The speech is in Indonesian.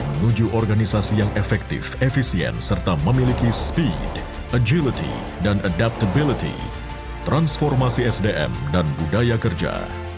menuju organisasi yang efektif efisien serta memiliki speed agility dan adaptability transformasi sdm dan budaya kerja